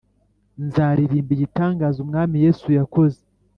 Nzaririmba igitangaza umwami yesu yakoze